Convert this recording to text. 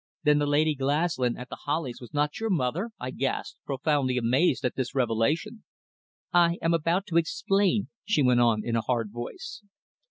"Then the Lady Glaslyn at The Hollies was not your mother?" I gasped, profoundly amazed at this revelation. "I am about to explain," she went on in a hard voice.